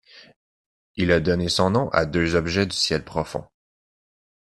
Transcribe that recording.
Il a donné son nom à deux objets du ciel profond.